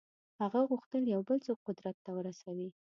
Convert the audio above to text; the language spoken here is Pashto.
هغه غوښتل یو بل څوک قدرت ته ورسوي.